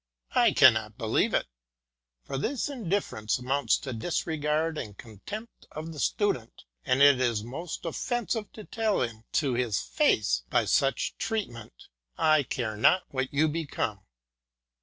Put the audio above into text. I cannot believe it, for this indifference amounts to disregard and contempt of the Stu dent, and it is most offensive to tell him to his face, by such treatment " I care not what you become."